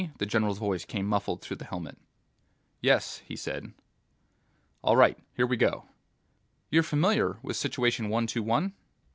The general's voice came muffled through the helmet. "Yes," he said. "All right. Here we go. You're familiar with Situation One Two One?